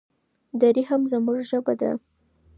دري هم زموږ ژبه ده.